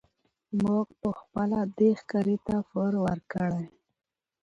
موږ پخپله دی ښکاري ته پر ورکړی